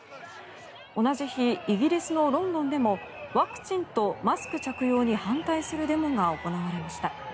同じ日、イギリスのロンドンでもワクチンとマスク着用に反対するデモが行われました。